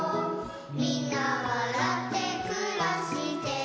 「みんなわらってくらしてる」